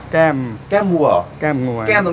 แก้มแก้มหส